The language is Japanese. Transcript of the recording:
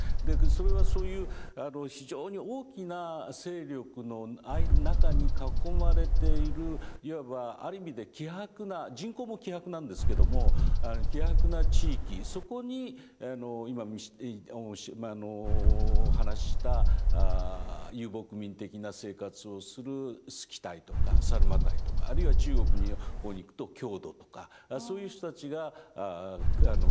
それはそういう非常に大きな勢力の中に囲まれているいわばある意味で希薄な人口も希薄なんですけども希薄な地域そこに今話した遊牧民的な生活をするスキタイとかサルマタイとかあるいは中国の方に行くと匈奴とかそういう人たちが動いていた。